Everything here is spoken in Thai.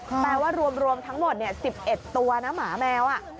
ค่ะแปลว่ารวมทั้งหมดเนี่ยสิบเอ็ดตัวนะหมาแมวอ่ะ